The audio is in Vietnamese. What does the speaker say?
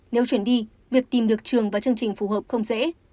nếu chuyển đi việc tìm được trường và chương trình phù hợp không dễ